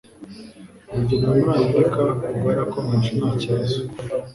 Urugendo muri Amerika rwarakomeje ntakibazo.